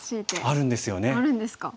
あるんですか。